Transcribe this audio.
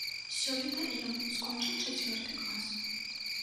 Сёлета ён скончыў чацвёрты клас.